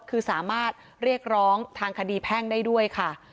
คือสามารถเรียกร้องทางคดีแพ่งได้ด้วยค่ะ